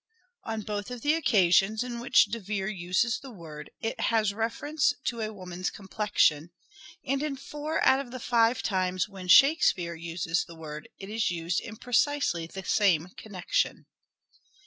On both of the occasions on which De Vere uses the word it has reference to a woman's complexion, and in four out of the five times when " Shakespeare " uses the word it is used in precisely the same connection.